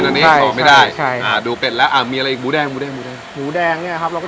ตรงนี้นี่ความไม่ได้ใช่ตรงนี้อย่างใดใช่หน่ากับดูเป็ดแตะอ่ะมีเอาอะไร